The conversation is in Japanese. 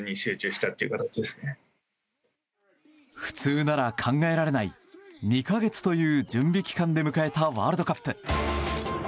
普通なら考えられない２か月という準備期間で迎えたワールドカップ。